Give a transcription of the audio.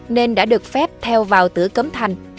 nên đã được phép theo vào tử cấm thành